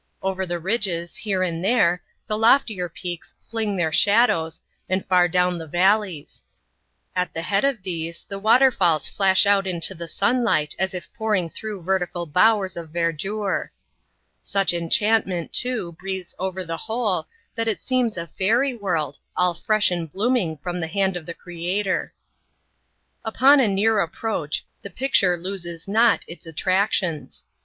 Over the ridges, here and there, the loftier peaks fling their shadows, and far down the valleys. At the head of these, the water falls flash out into the sunlight as if pouring thro\i«l\N«^ tical bowers of verdure. Such enchantment, too, \iTt2i\)^<e,^ o^^t F 66 ADVENTURES IN THE SOUTH SEAS. [chap, xym the whole, that it seems a fairy worlds all fresh and blooming from the hand of the Creator. Upon a near approach, the picture loses not its attractions.